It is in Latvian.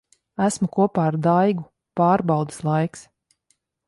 Esmu kopā ar Daigu. Pārbaudes laiks.